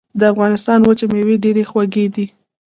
د افغانستان وچې مېوې ډېرې خوږې دي.